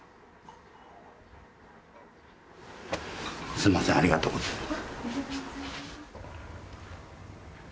すみません、ありがとうございます。